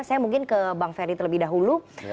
saya mungkin ke bang ferry terlebih dahulu